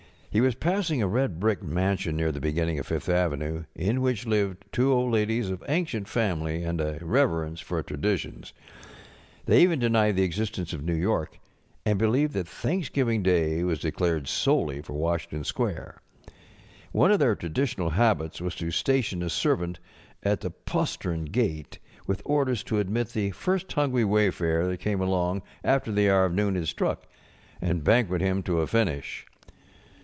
He was passing a red brick mansion near the beginning of Fifth avenue, in which lived two old ladies of ancient family and a reverence for traditions. They even de┬¼ nied the existence of New York, and believed that Thanksgiving Day was declared solely for Washing┬¼ ton Square. One of their traditional habits was to station a servant at the postern gate with orders to admit the first hungry wayfarer that came along after the hour of noon had struck, and banquet him to a finish.